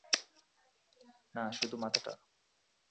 না, শুধু মাথাটা।